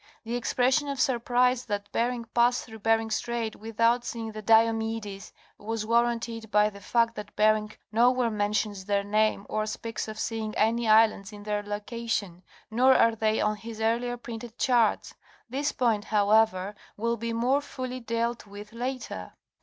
The expression of surprise that Bering passed through Bering Strait without seeing the Diomedes, was warranted by the fact that Bering nowhere mentions their name or speaks of seeing any islands in their location, nor are they on his earliest printed charts. This point, however, will be more fully dealt with later.